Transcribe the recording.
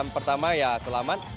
pertama ya selamat